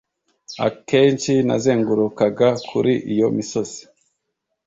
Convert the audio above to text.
akenshi nazengurukaga kuri iyi misozi